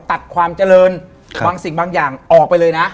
ตัดความเจริญบางสิ่งบางอย่างออกไปเลยนะ